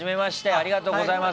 ありがとうございます。